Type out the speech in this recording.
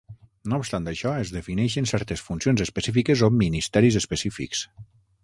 No obstant això, es defineixen certes funcions específiques o "ministeris específics".